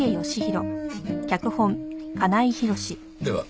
では。